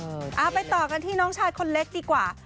เอาไปต่อกันที่น้องชายคนเล็กดีกว่า